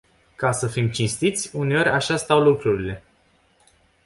Ca să fim cinstiți, uneori așa stau lucrurile.